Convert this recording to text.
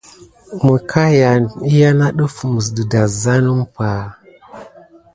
Məkayan yane def mis dedazan tumpay kutu suck kim kirore.